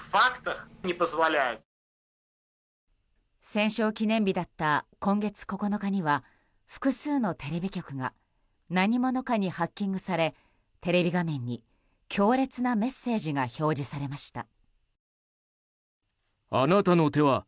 戦勝記念日だった今月９日には複数のテレビ局が何者かにハッキングされテレビ画面に強烈なメッセージが表示されました。